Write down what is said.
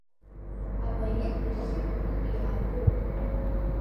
Апоет иархив аҟнытә иаагоуп.